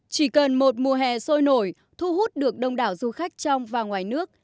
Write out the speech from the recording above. chỉ cần một mùa hè sôi nổi thu hút được đông đảo du khách trong và ngoài nước